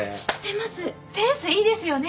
センスいいですよね。